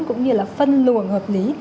cũng như là phân luồng hợp lý